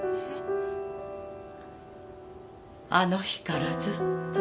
あの日からずっと。